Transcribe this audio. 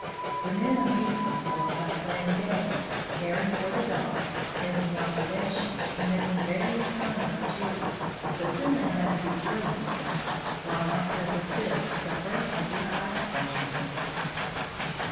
The men amused themselves by playing games, THE VOYAGE OF THE FRAM 125 caring for the dogs, taking observations, and making various kinds of tools ; but soon they had to bestir them selves, for on October 5, the first severe ice pressure took place.